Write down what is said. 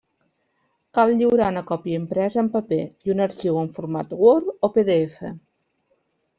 Cal lliurar una còpia impresa en paper i un arxiu en format Word o PDF.